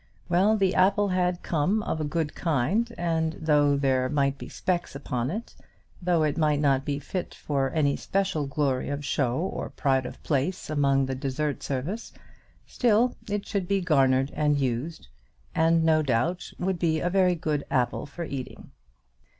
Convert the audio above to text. Well, the apple had come of a good kind, and, though there might be specks upon it, though it might not be fit for any special glory of show or pride of place among the dessert service, still it should be garnered and used, and no doubt would be a very good apple for eating.